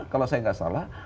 kalau saya tidak salah